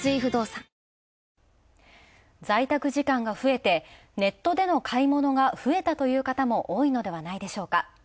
在宅時間が増えてネットでの買い物が増えたという方も多いのではないでしょうか。